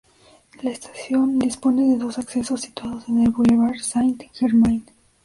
La estación dispone de dos accesos situados en el bulevar Saint-Germain.